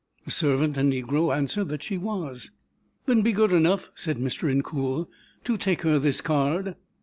The servant, a negro, answered that she was. "Then be good enough," said Mr. Incoul, "to take her this card."